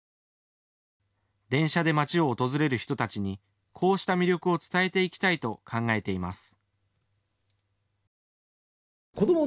電車で町を訪れる人たちにこうした魅力を伝えていきたいと考えています。